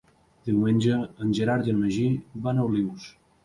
Diumenge en Gerard i en Magí van a Olius.